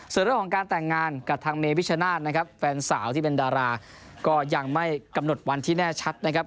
ส่วนเรื่องของการแต่งงานกับทางเมพิชนาธิ์นะครับแฟนสาวที่เป็นดาราก็ยังไม่กำหนดวันที่แน่ชัดนะครับ